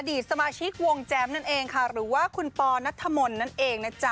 สมาชิกวงแจ๊มนั่นเองค่ะหรือว่าคุณปอนัทธมนต์นั่นเองนะจ๊ะ